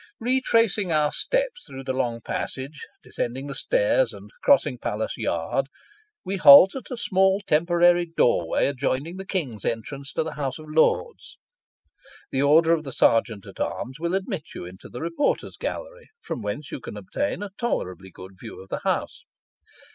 * Eetracing our steps through the long passage, descending the stairs, and crossing Palace Yard, we halt at a small temporary doorway adjoining the King's entrance to the House of Lords. The order of the serjeant at arms will admit you into the Eeporters' Gallery, from whence you can obtain a tolerably good view of the House.